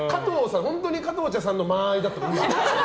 本当に加藤茶さんの間合いだったもん。